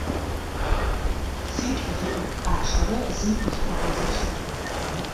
ЦитӀу зыӀут Ӏашэрэ зын къылъфыгъэ зэшитӀурэ.